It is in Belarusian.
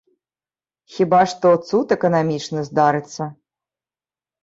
Хіба што, цуд эканамічны здарыцца.